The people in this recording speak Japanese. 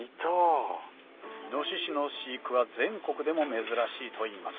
猪の飼育は全国でも珍しいといいます